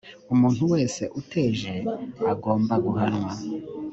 umuntu wese uteje agomba guhanwa.